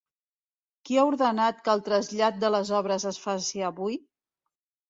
Qui ha ordenat que el trasllat de les obres es faci avui?